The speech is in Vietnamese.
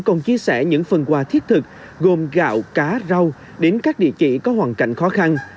còn chia sẻ những phần quà thiết thực gồm gạo cá rau đến các địa chỉ có hoàn cảnh khó khăn